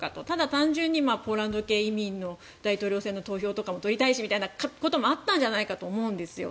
ただ単純にポーランド系移民の大統領選挙の投票も取りたいしということもあったんじゃないかと思うんです。